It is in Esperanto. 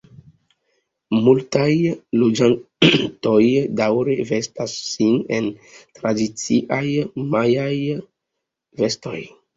Multaj loĝantoj daŭre vestas sin en tradiciaj majaaj vestoj.